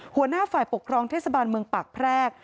หัวหน้าฝ่ายปกครองเทศบาลเมืองปากแพรก